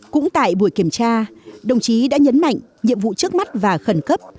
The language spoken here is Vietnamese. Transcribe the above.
cũng tại buổi kiểm tra đồng chí đã nhấn mạnh nhiệm vụ trước mắt và khẩn cấp